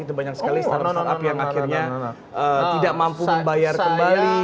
itu banyak sekali startup startup yang akhirnya tidak mampu membayar kembali